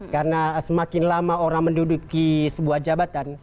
karena semakin lama orang menduduki sebuah jabat